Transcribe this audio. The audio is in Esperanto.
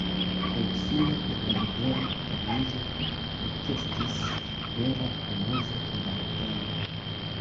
Proksime de la rivero Tamizo ekestis vera amuza kvartalo.